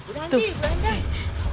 bu ranti bu ranti